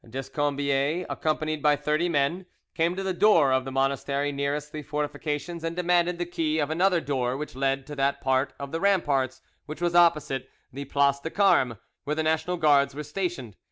Descombiez, accompanied by thirty men, came to the door of the monastery nearest the fortifications and demanded the key of another door which led to that part of the ramparts which was opposite the place des Carmes, where the National Guards were stationed.